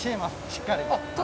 しっかりと。